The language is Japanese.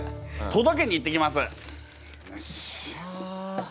とどけに行ってきます。